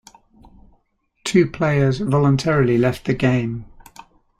Two players voluntarily left the game.